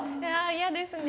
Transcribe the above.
嫌ですね。